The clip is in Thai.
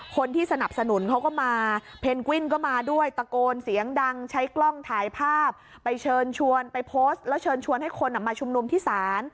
คนที่สนับสนุนเขาก็มา